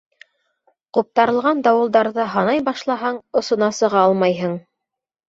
Ҡуптарылған дауылдарҙы һанай башлаһаң, осона сыға алмайһың.